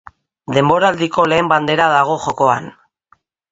Denboraldiko lehen bandera dago jokoan.